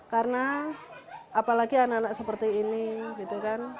karena apalagi anak anak seperti ini gitu kan